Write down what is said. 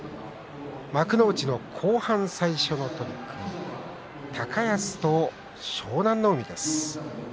幕内の後半最初の取組高安と湘南乃海です。